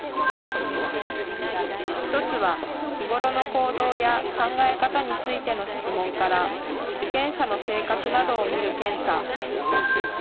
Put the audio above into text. １つは日頃の行動や考え方についての質問から、受検者の性格などを見る検査。